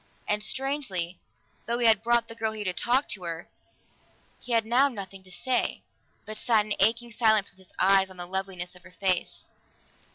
And strangely, though he had brought the girl here to talk to her, he had now nothing to say, but sat in aching silence with his eyes on the loveliness of her face.